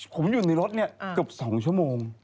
ผมอยู่ในรถเนี่ยเกือบ๒ชั่วโมง